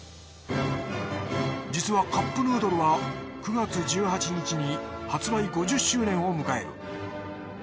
実はカップヌードルは９月１８日に発売５０周年を迎える。